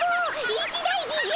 一大事じゃ！